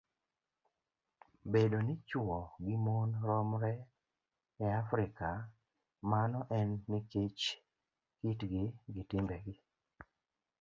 Bedo ni chwo gi mon romre e Afrika, mano en nikech kitgi gi timbegi